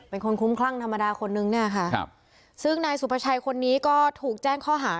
เป็นคนคุ้มคลั่งธรรมดาคนนึงเนี่ยค่ะครับซึ่งนายสุภาชัยคนนี้ก็ถูกแจ้งข้อหา